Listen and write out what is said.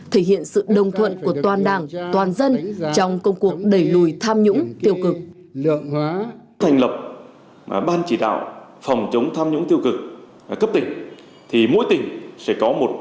thể hiện sự đồng thuận của toàn đảng toàn dân trong công cuộc đẩy lùi tham nhũng tiêu cực